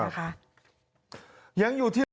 ค่ะ